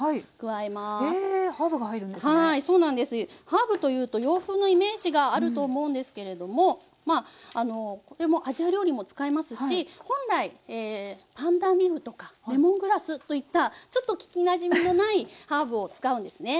ハーブというと洋風のイメージがあると思うんですけれどもまあこれもアジア料理も使いますし本来パンダンリーフとかレモングラスといったちょっと聞きなじみのないハーブを使うんですね。